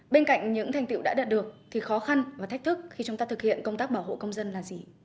bên cạnh những thành tiệu đã đạt được thì khó khăn và thách thức khi chúng ta thực hiện công tác bảo hộ công dân là gì